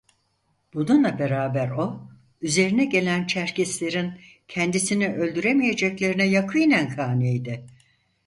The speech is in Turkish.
Bununla beraber o, üzerine gelen Çerkeslerin kendisini öldüremeyeceklerine yakînen kaniydi.